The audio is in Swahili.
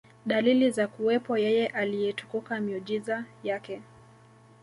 dalili za kuwepo Yeye Aliyetukuka miujiza Yake